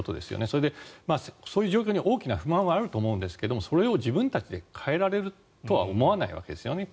それで、そういう状況に大きな不満はあると思うんですがそれを自分たちで変えられるとは思わないわけですよね。